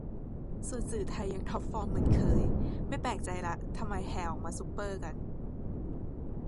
ส่วนสื่อไทยยังท็อปฟอร์มเหมือนเคย ไม่แปลกใจละทำไมแห่ออกมาซูเปอร์กัน